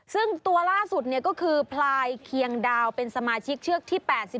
ซึ่งตัวล่าสุดก็คือพลายเคียงดาวเป็นสมาชิกเชือกที่๘๔